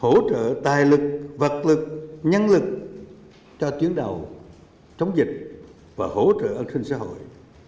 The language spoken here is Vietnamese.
hỗ trợ tài lực vật lực nhân lực cho tuyến đầu chống dịch và hỗ trợ an sinh xã hội